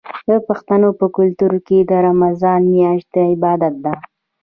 د پښتنو په کلتور کې د رمضان میاشت د عبادت ده.